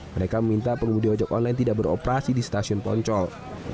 mereka meminta pengemudi ojek online tidak beroperasi di stasiun poncol